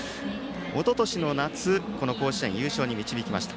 おととしの夏甲子園優勝に導きました。